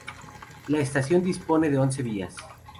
La estación dispone de once vías.